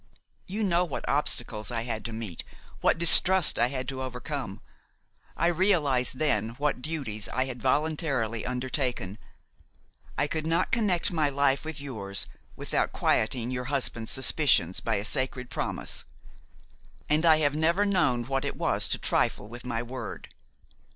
You know what obstacles I had to meet, what distrust I had to overcome; I realized then what duties I had voluntarily undertaken; I could not connect my life with yours without quieting your husband's suspicions by a sacred promise, and I have never known what it was to trifle with my word.